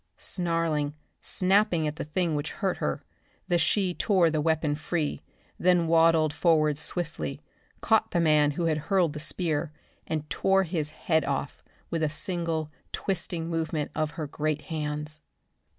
Snarling, snapping at the thing which hurt her, the she tore the weapon free then waddled forward swiftly, caught the man who had hurled the spear, and tore his head off with a single twisting movement of her great hands.